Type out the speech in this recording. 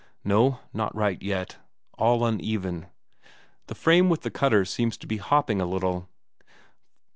No, not right yet, all uneven; the frame with the cutters seems to be hopping a little.